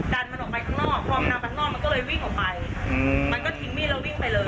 ดันมันออกไปข้างนอกพอมันนำไปข้างนอกมันก็เลยวิ่งออกไปมันก็ทิ้งมีดแล้ววิ่งไปเลย